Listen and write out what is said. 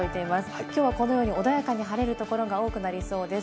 今日はこのように穏やかに晴れる所が多くなりそうです。